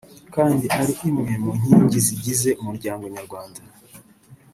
kandi ari imwe mu nkingi zigize Umuryango nyarwanda”